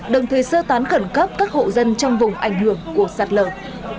đồng thời sơ tán khẩn cấp các hộ dân trong vùng ảnh hưởng của sặt lờn